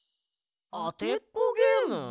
あてっこゲーム？